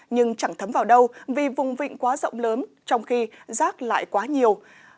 nhưng chẳng thấm vào đâu vì vùng vịnh quá rộng lớn trong khi rác lại quá nhiều